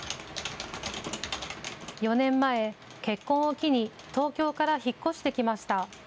４年前、結婚を機に東京から引っ越してきました。